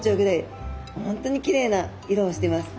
本当にきれいな色をしてます。